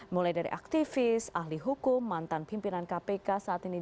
masih tanggal dua puluh an kan